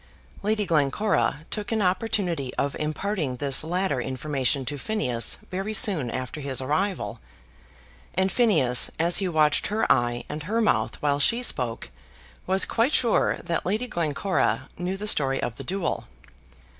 Lady Glencora took an opportunity of imparting this latter information to Phineas very soon after his arrival; and Phineas, as he watched her eye and her mouth while she spoke, was quite sure that Lady Glencora knew the story of the duel.